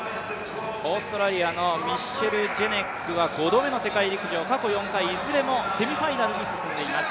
オーストラリアのミッシェル・ジェネックは５度目の世界陸上過去４回、いずれもセミファイナルに進んでいます。